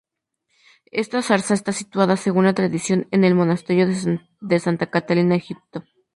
Esta zarza está situada, según la tradición, en el monasterio de Santa Catalina, Egipto.